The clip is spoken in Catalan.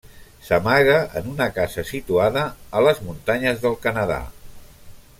S'amaga en una casa situada a les muntanyes del Canadà.